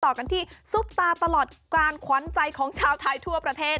ต่อกันที่ซุปตาตลอดการขวัญใจของชาวไทยทั่วประเทศ